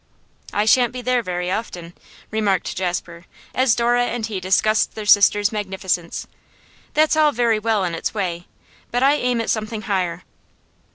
'I shan't be there very often,' remarked Jasper, as Dora and he discussed their sister's magnificence. 'That's all very well in its way, but I aim at something higher.